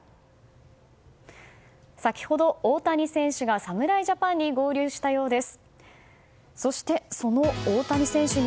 先ほど大谷選手が侍ジャパンに合流したようです。